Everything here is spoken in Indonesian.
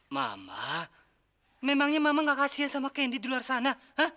mama memangnya mama gak kasian sama kendi di luar sana